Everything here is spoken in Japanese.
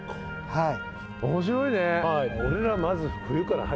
はい。